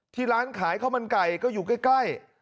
ร้านขายข้าวมันไก่ก็อยู่ใกล้